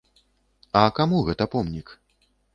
А каму гэта помнік?